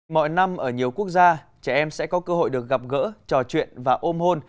mọi năm ở nhiều quốc gia trẻ em sẽ có cơ hội được gặp gỡ trò chuyện và ôm hôn